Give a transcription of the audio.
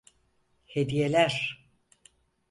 Hediyeler!